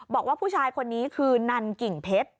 บอกว่าผู้ชายคนนี้คือนันกิ่งเพชร